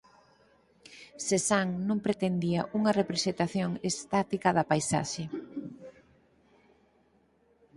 Cézanne non pretendía unha representación estática da paisaxe.